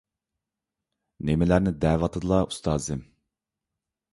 نېمىلەرنى دەۋاتىدىلا، ئۇستازىم.